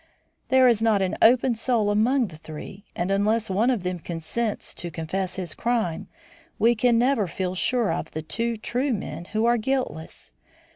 There is not an open soul among the three; and unless one of them consents to confess his crime, we can never feel sure of the two true men who are guiltless.